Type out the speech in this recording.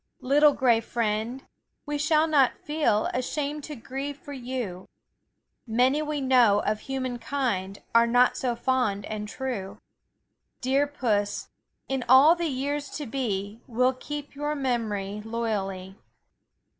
Little gray friend, we shall not feel Ashamed to grieve for you; Many we know of human kind Are not so fond and true; Dear puss, in all the years to be We'll keep your memory loyally.